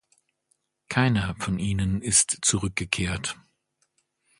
Keiner von ihnen ist zurückgekehrt.